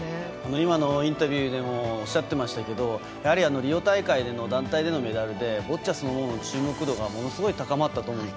今のインタビューでもおっしゃっていましたけどやはり、リオ大会での団体でのメダルで、ボッチャそのものの注目度がものすごい高まったと思います。